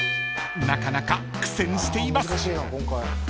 ［なかなか苦戦しています］